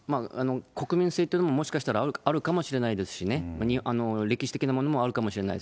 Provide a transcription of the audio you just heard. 国民性というのももしかしたらあるかもしれないですしね、歴史的なものもあるかもしれない。